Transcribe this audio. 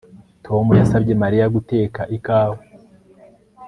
Tom yasabye Mariya guteka ikawa